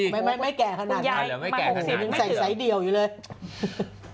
ไม่ไม่ไม่แก่ขนาดไม่แก่ขนาดไม่แก่ขนาดใส่ใส่เดี่ยวอยู่เลย